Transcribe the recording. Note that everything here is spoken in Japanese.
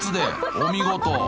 お見事。